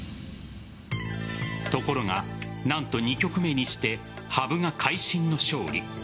ところが、何と２局目にして羽生が会心の勝利。